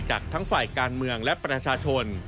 จากทั้งฝ่ายการเมืองและประชาชน